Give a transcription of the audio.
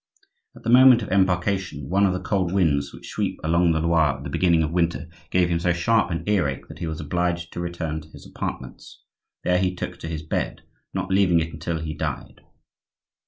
At the moment of embarkation, one of the cold winds which sweep along the Loire at the beginning of winter gave him so sharp an ear ache that he was obliged to return to his apartments; there he took to his bed, not leaving it again until he died.